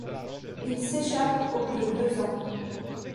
Il s'échappe au bout de deux ans.